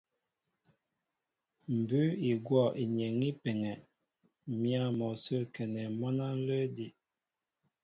Mbʉ́ʉ́ i gwɔ̂ inyeŋ í peŋɛ m̀yǎ mɔ sə́ a kɛnɛ mwǎn á ǹlə́ edí'.